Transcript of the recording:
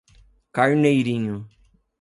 Carneirinho